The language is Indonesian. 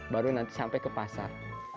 baru nanti sampai ke pasar